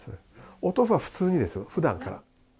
おとうふは普通にですよふだんから。